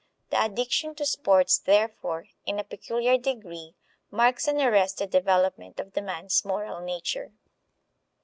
The addiction to sports, therefore, in a peculiar degree marks an arrested development of the man's moral nature.